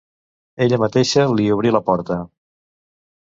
Ella mateixa li obrí la porta.